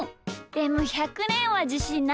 でも１００ねんはじしんない。